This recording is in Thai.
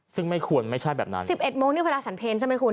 ซึ่งไม่ควรไม่ใช่แบบนั้น๑๑โมงนี่เวลาสันเพลใช่ไหมคุณ